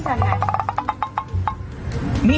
จัดกระบวนพร้อมกัน